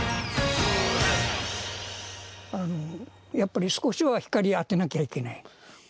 あのやっぱり少しは光当てなきゃいけない。